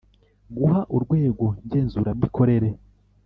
Guha Urwego Ngenzuramikorere